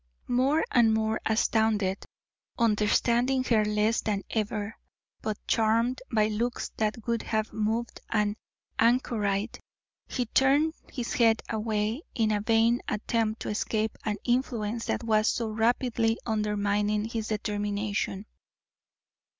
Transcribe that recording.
More and more astounded, understanding her less than ever, but charmed by looks that would have moved an anchorite, he turned his head away in a vain attempt to escape an influence that was so rapidly undermining his determination.